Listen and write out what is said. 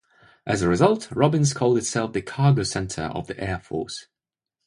As a result, Robins called itself the cargo center of the Air Force.